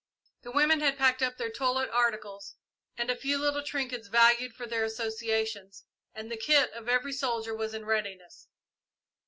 The women had packed up their toilet articles and a few little trinkets valued for their associations, and the kit of every soldier was in readiness.